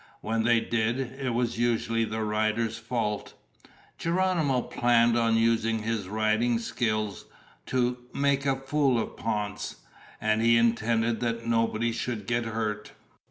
When they did, it was usually the rider's fault. Geronimo planned on using his riding skill to make a fool of Ponce, and he intended that nobody should get hurt.